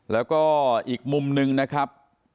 แล้วก็อีกมุมนึงนะครับ